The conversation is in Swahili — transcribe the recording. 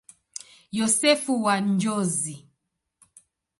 Yosefu wa Njozi.